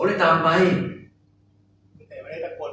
แต่ไม่ได้ตะโกนว่าให้หลบไปหลบ